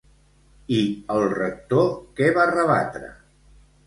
I el rector què va rebatre?